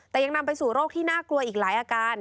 แต่ยังนำไปสู่โรคที่น่ากลัวอีกหลายอาการ